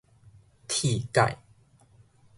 鐵改